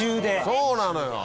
そうなのよ。